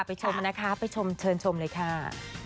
เป็นยาวน่ะค่ะไปชมชมเลยค่ะ